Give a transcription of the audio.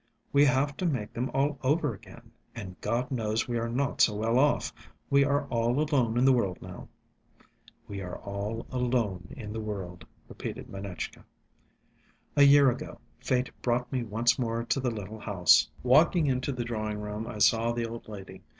"We have to make them all over again. And God knows we are not so well off. We are all alone in the world now." "We are alone in the world," repeated Manetchka. A year ago fate brought me once more to the little house. Walking into the drawing room, I saw the old lady.